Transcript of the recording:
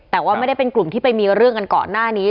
แต่ว่าไม่ได้เป็นกลุ่มที่ไปมีเรื่องกันก่อนหน้านี้